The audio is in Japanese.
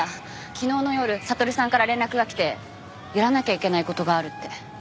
昨日の夜悟さんから連絡がきてやらなきゃいけない事があるって。